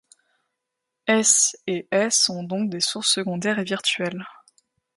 S et S sont donc des sources secondaires virtuelles.